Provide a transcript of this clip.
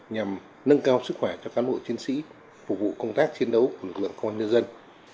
nhằm nâng cao sức khỏe cho cán bộ chiến sĩ phục vụ công tác chiến đấu của lực lượng công an nhân dân